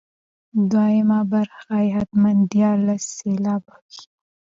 دوهمه برخه یې حتما دیارلس سېلابه وي.